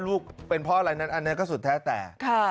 ลูกเป็นเพราะอะไรนั้นอันนี้ก็สุดแท้แต่